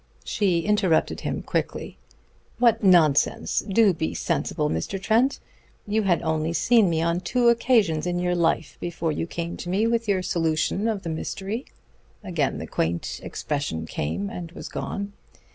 She interrupted him quickly. "What nonsense. Do be sensible, Mr. Trent. You had only seen me on two occasions in your life before you came to me with your solution of the mystery." Again the quaint expression came and was gone.